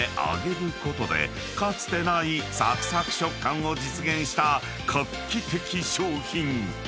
［かつてないサクサク食感を実現した画期的商品］